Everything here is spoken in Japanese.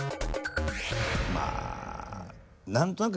まあ何となく